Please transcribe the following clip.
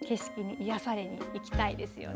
癒やされていきたいですよね。